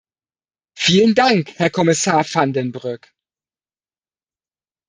Vielen Dank, Herr Kommissar van den Broek!